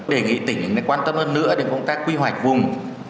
đề nghị tỉnh quan tâm hơn nữa đến công tác quy hoạch vùng